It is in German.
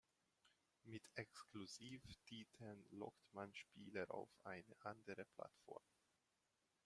Mit Exklusivtiteln lockt man Spieler auf eine andere Plattform.